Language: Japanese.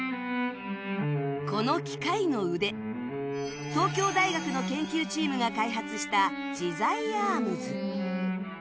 この機械の腕東京大学の研究チームが開発した ＪＩＺＡＩＡＲＭＳ